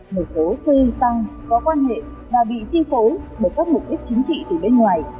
một số sư tăng có quan hệ và bị chi phối bởi các mục đích chính trị từ bên ngoài